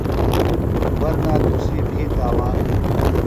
ورنہ تُسی بھی تاوان